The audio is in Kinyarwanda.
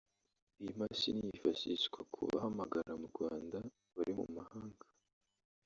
Iyi mashini yifashihwa ku bahamagara mu Rwanda bari mu mahanga